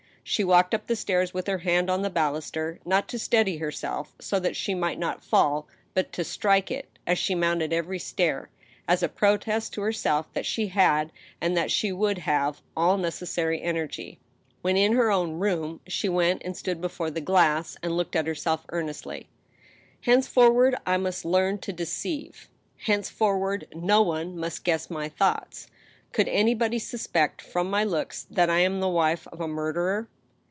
She walked up the stairs with her hand on the baluster, not to steady herself so that she might not fall, but to strike it, as she mounted every stair, as a protest to herself that she had, and that she would have, all necessary energy. When in her own room, she went and stood before the glass, and looked at herself earnestly. " Henceforward, I must learn to deceive. Henceforward, no one must guess my thoughts. Could anybody suspect, from my looks, that I am the wife of a murderer